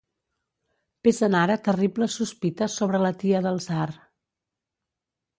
Pesen ara terribles sospites sobre la tia del tsar.